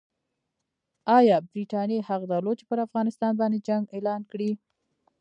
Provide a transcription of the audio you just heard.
ایا برټانیې حق درلود چې پر افغانستان باندې جنګ اعلان کړي؟